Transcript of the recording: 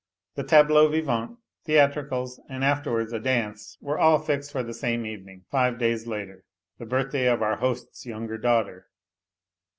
Th( tableaux vivants, theatricals, and afterwards a dance were al fixed for the same evening, five days later the birthday of oui host's younger daughter.